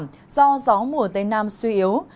mưa có xu hướng giảm do gió mùa tây nam suy yếu